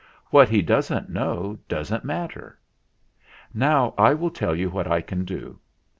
What he doesn't know doesn't matter. Now I will tell you what I can do.